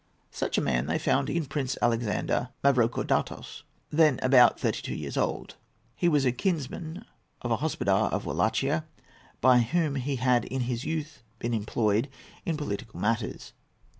Such a man they found in Prince Alexander Mavrocordatos, then about thirty two years old. He was a kinsman of a Hospodar of Wallachia, by whom he had in his youth been employed in political matters.